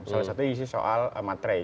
salah satu isi soal matrei